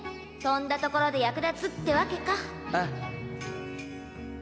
とんだところで役立つってわけか